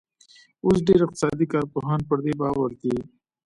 اوس ډېر اقتصادي کارپوهان پر دې باور دي.